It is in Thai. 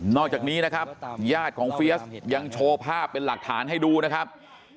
อกจากนี้นะครับญาติของเฟียสยังโชว์ภาพเป็นหลักฐานให้ดูนะครับ